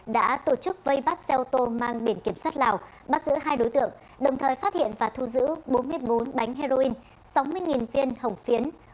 đã tổ chức vây bắt xe ô tô mang biển kiểm soát lào bắt giữ hai đối tượng đồng thời phát hiện và thu giữ bốn mươi bốn bánh heroin sáu mươi viên hồng phiến